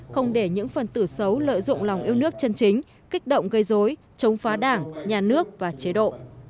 không để những phần tử xấu lợi dụng lòng yêu nước chân chính kích động gây dối chống phá đảng nhà nước và chế độ